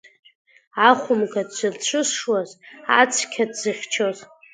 Ахәымга дзырцәышуаз, ацқьа дзыхьчоз…